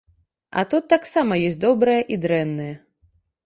А тут таксама ёсць добрая і дрэнная.